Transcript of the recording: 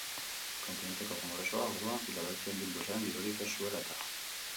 Kontinenteko Kongresua, orduan, Filadelfian bildu zen, dirurik ez zuela eta.